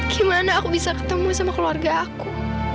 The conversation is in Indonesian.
gimana aku bisa ketemu sama keluarga aku